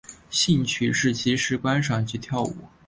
兴趣是即时观赏及跳舞。